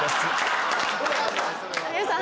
有吉さん